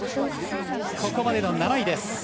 ここまでの７位です。